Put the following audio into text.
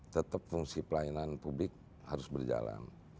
tetap fungsi pelayanan publik harus berjalan